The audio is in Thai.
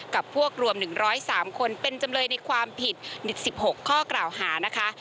กับพวกรวม๑๐๓คนเป็นจำเลยในความผิด๑๖ข้อกล่าวหานะคะ